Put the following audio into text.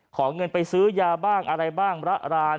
ขอเงินไปซื้อยาบ้างอะไรบ้างระราน